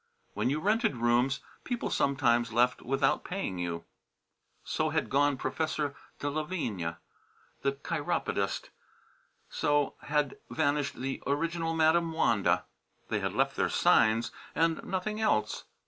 When you rented rooms, people sometimes left without paying you. So had gone Professor de Lavigne, the chiropodist; so had vanished the original Madam Wanda. They had left their signs, and nothing else.